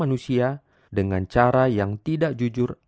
manusia dengan cara yang tidak jujur